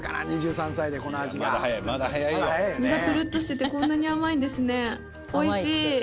身がプルっとしててこんなに甘いんですねおいしい。